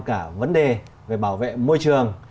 cả vấn đề về bảo vệ môi trường